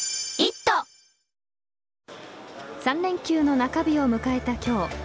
３連休の中日を迎えた今日。